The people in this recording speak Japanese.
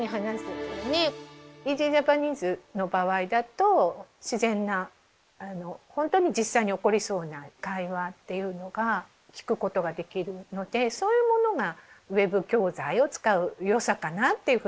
「ＥａｓｙＪａｐａｎｅｓｅ」の場合だと自然なほんとに実際に起こりそうな会話っていうのが聞くことができるのでそういうものがウェブ教材を使う良さかなっていうふうに思います。